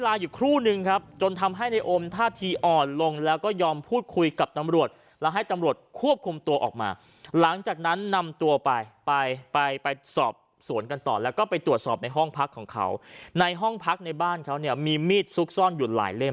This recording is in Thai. และก็ไปตรวจสอบในห้องพักของเขาในห้องพักอยู่หลายเล่ม